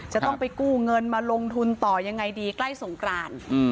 จะต้องไปกู้เงินมาลงทุนต่อยังไงดีใกล้สงกราน